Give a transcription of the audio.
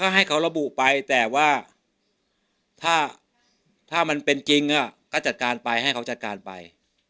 ให้เขาระบุไปแต่ว่าถ้ามันเป็นจริงก็จัดการไปให้เขาจัดการไป